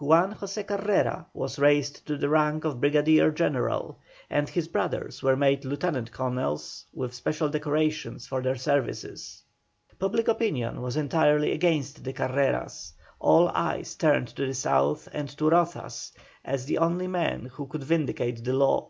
Juan José Carrera was raised to the rank of brigadier general, and his brothers were made lieutenant colonels, with special decorations for their services. Public opinion was entirely against the Carreras, all eyes turned to the South and to Rozas as the only man who could vindicate the law.